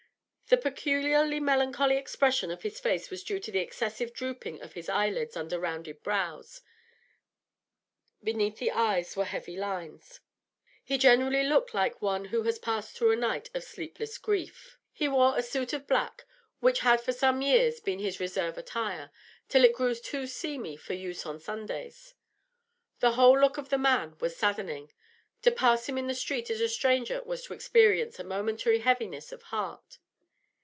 The peculiarly melancholy expression of his face was due to the excessive drooping of his eyelids under rounded brows; beneath the eyes were heavy lines; he generally looked like one who has passed through a night of sleepless grief. He wore a suit of black, which had for several years been his reserve attire, till it grew too seamy for use on Sundays. The whole look of the man was saddening; to pass him in the street as a stranger was to experience a momentary heaviness of heart.